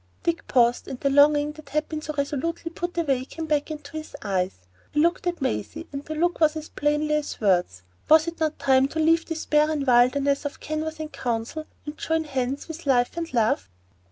Dick paused, and the longing that had been so resolutely put away came back into his eyes. He looked at Maisie, and the look asked as plainly as words, Was it not time to leave all this barren wilderness of canvas and counsel and join hands with Life and Love?